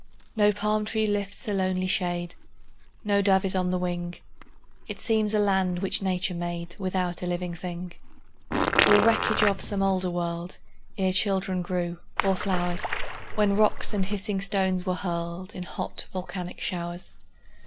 No palm tree lifts a lonely shade, No dove is on the wing; It seems a land which Nature made Without a living thing, Or wreckage of some older world, Ere children grew, or flowers, When rocks and hissing stones were hurled In hot, volcanic showers.